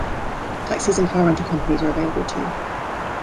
Taxis and car rental companies are available, too.